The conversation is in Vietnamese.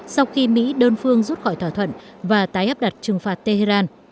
sau khi mỹ đơn phương rút khỏi thỏa thuận và tái áp đặt trừng phạt tehran